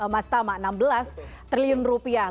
mas tama enam belas triliun rupiah